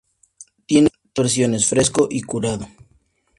Tiene dos versiones: fresco y curado.